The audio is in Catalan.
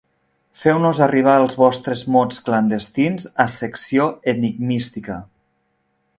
Feu-nos arribar els vostres mots clandestins a Secció Enigmística.